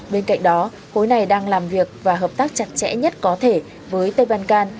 bên cạnh đó hối này đang làm việc và hợp tác chặt chẽ nhất có thể với tây ban can